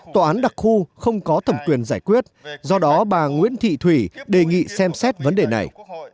tòa án đặc khu không có thẩm quyền giải quyết do đó bà nguyễn thị thủy đề nghị xem xét vấn đề này